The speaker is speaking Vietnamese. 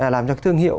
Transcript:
làm cho cái thương hiệu